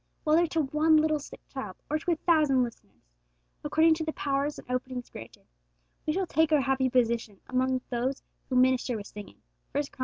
Whether to one little sick child or to a thousand listeners, according to the powers and openings granted, we shall take our happy position among those who minister with singing (1 Chron.